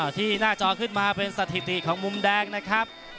ที่หน้าจอขึ้นมาเป็นสถิติของมุมแดงนะครับ